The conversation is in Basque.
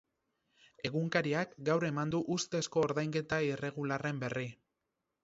Egunkariak gaur eman du ustezko ordainketa irregularren berri.